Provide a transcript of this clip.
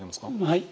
はい。